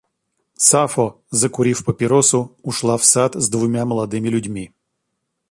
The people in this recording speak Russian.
Сафо, закурив папиросу, ушла в сад с двумя молодыми людьми.